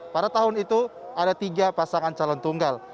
pada tahun itu ada tiga pasangan calon tunggal